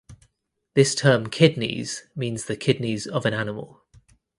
This term "kidneys" means the kidneys of an animal.